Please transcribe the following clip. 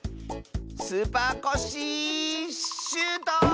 スーパーコッシーシュート！